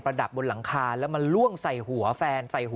เพราะว่ามันอาจจะทำมานานมีอะไรก็ไม่รู้